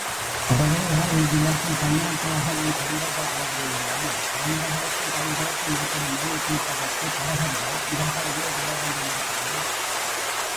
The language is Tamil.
படகர்களின் நிலத்தில் பண்ணையாட்களாகவும் குறும்பர்கள் பணிபுரிகின்றனர், கால் நடைகளுக்கும், பயிர்களுக்கும் ஏற்படும் நோயைத் தீர்ப்பதற்குப் படகர்கள் இவர்களையே நாடவேண்டியிருக்கிறது.